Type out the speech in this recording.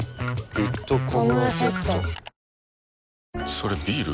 それビール？